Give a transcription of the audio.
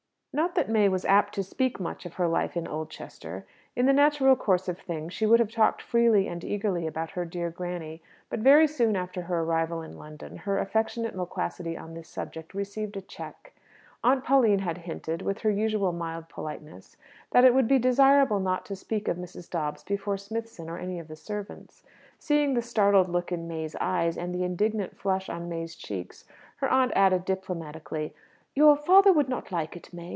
Not that May was apt to speak much of her life in Oldchester. In the natural course of things she would have talked freely and eagerly about her dear granny; but very soon after her arrival in London, her affectionate loquacity on this subject received a check. Aunt Pauline had hinted, with her usual mild politeness, that it would be desirable not to speak of Mrs. Dobbs before Smithson or any of the servants. Seeing the startled look in May's eyes, and the indignant flush on May's cheeks, her aunt added diplomatically, "Your father would not like it, May.